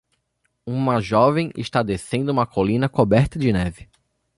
Uma jovem está descendo uma colina coberta de neve.